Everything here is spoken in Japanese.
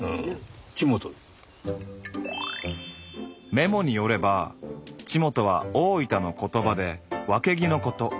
メモによれば「ちもと」は大分の言葉でわけぎのこと。